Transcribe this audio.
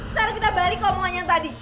sekarang kita balik ke omongan yang tadi